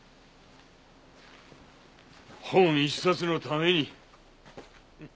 本一冊のために。